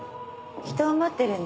人を待ってるんで。